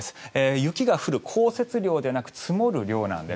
雪が降る降雪量ではなく積もる量なんです。